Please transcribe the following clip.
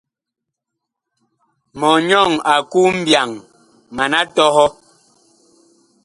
Mɔnyɔŋ a ku mbyaŋ, mana tɔhɔ.